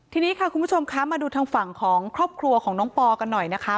ทีนี้ค่ะคุณผู้ชมคะมาดูทางฝั่งของครอบครัวของน้องปอกันหน่อยนะคะ